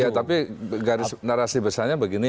ya tapi garis narasi besarnya begini